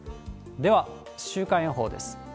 では、週間予報です。